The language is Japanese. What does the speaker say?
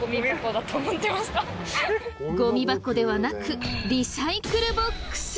ゴミ箱ではなくリサイクルボックス。